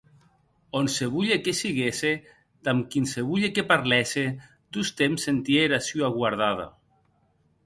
Onsevolhe que siguesse, damb quinsevolhe que parlèsse, tostemp sentie era sua guardada.